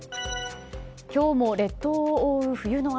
今日も列島を覆う冬の嵐。